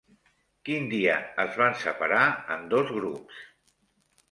Quin dia es van separar en dos grups?